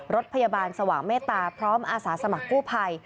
รถพยาบาลสว่างเมตตาพร้อมอาสาสมัครกู้ภัย